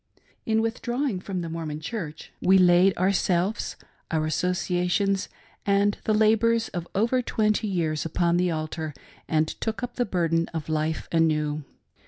In withdrawing from the Mormon Church, we laid our Vlll . PREFACE. selves, our associations and the labors of over twenty years, upon the altar, and took up the burden of life anew.